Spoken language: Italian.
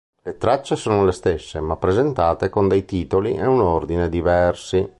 Le tracce sono le stesse, ma presentate con dei titoli e un ordine diversi.